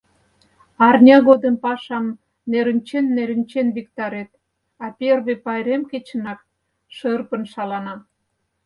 Арня годым пашам нерынчен-нерынчен виктарет, а первый пайрем кечынак шырпын шалана...